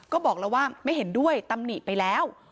ก็บอกแล้วว่าไม่เห็นด้วยตำหนิไปแล้ว